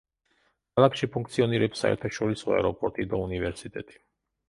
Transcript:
ქალაქში ფუნქციონირებს საერთაშორისო აეროპორტი და უნივერსიტეტი.